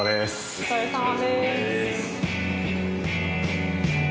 お疲れさまです。